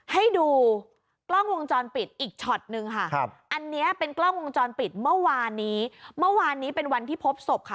ให้ดูกล้องวงจรปิดอีกช็อตนึงค่ะครับอันนี้เป็นกล้องวงจรปิดเมื่อวานนี้เมื่อวานนี้เป็นวันที่พบศพค่ะ